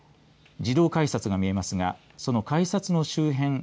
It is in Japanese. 自動改札が見えますがその改札の周辺。